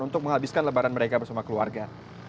untuk menghabiskan lebaran mereka bersama keluarga